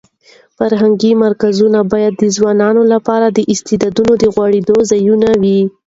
فرهنګي مرکزونه باید د ځوانانو لپاره د استعدادونو د غوړېدو ځایونه وي.